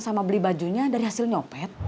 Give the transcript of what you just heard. sama beli bajunya dari hasil nyopet